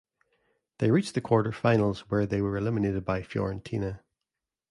They reached the quarter-finals where they were eliminated by Fiorentina.